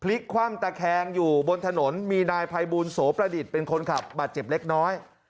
คว่ำตะแคงอยู่บนถนนมีนายภัยบูลโสประดิษฐ์เป็นคนขับบาดเจ็บเล็กน้อย